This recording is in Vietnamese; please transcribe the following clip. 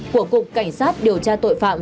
của cục cảnh sát điều tra tội phạm